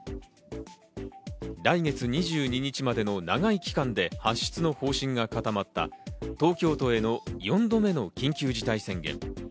来月２２日までの長い期間で発出の方針が固まった東京都への４度目の緊急事態宣言。